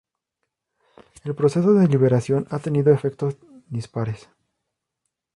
El proceso de liberalización ha tenido efectos dispares.